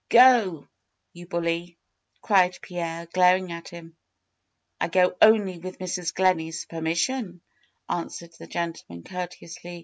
^^Go, you bully cried Pierre, glaring at him. "1 go only with Mrs. Gleney's permission," answered the gentleman, courteously.